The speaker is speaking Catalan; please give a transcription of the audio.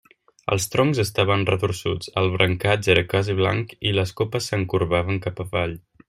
Els troncs estaven retorçuts; el brancatge era quasi blanc i les copes s'encorbaven cap avall.